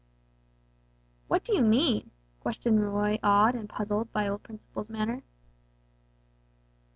"What do you mean?" questioned Roy awed and puzzled by old Principle's manner.